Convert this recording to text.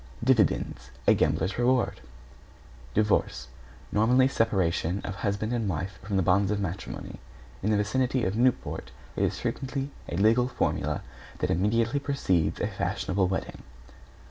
=DIVIDENDS= A gambler's reward. =DIVORCE= Nominally, separation of husband and wife from the bonds of matrimony. In the vicinity of Newport it is frequently a legal formula that immediately precedes a fashionable wedding.